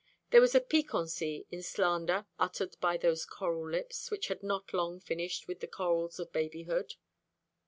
There was a piquancy in slander uttered by those coral lips, which had not long finished with the corals of babyhood.